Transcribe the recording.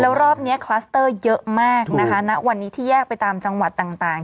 แล้วรอบนี้คลัสเตอร์เยอะมากนะคะณวันนี้ที่แยกไปตามจังหวัดต่าง